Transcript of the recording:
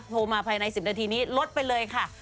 โทรมาภายใน๑๐นาทีนี้ลดไปเลยค่ะ